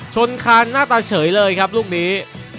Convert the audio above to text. ชนคานหน้าตาเฉยเลยครับลูกนี้